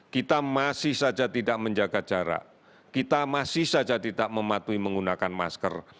kita masih saja tidak menjaga jarak kita masih saja tidak mematuhi menggunakan masker